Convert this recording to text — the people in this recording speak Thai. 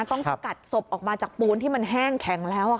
สกัดศพออกมาจากปูนที่มันแห้งแข็งแล้ว